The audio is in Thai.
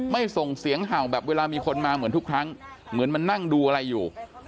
ส่งเสียงเห่าแบบเวลามีคนมาเหมือนทุกครั้งเหมือนมันนั่งดูอะไรอยู่